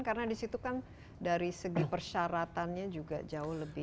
karena di situ kan dari segi persyaratannya juga jauh lebih